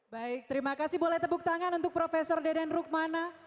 baik terima kasih boleh tepuk tangan untuk prof deden rukmana